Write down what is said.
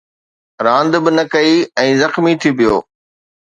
راند به نه ڪئي ۽ زخمي ٿي پيو